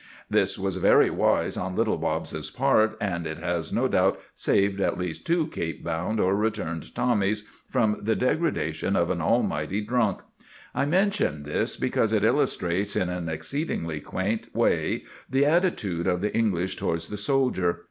This was very wise on Little Bobs's part, and it has no doubt saved at least two Cape bound or returned Tommies from the degradation of an almighty drunk. I mention this because it illustrates in an exceedingly quaint way the attitude of the English towards the soldier.